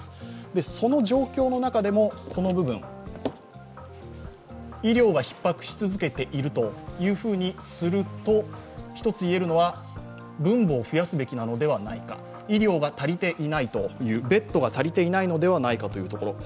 その状況の中でも医療がひっ迫し続けているとすると、一つ言えるのは分母を増やすべきなのではないか、医療が足りていない、ベッドが足りていないのではないかというところ。